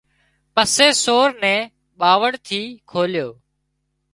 پسي سور نين ٻاوۯ ٿي کوليو